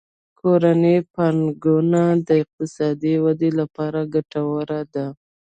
کورنۍ پانګونه د اقتصادي ودې لپاره ګټوره ده.